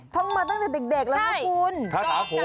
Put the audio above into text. มาตั้งแต่เด็กแล้วนะคุณ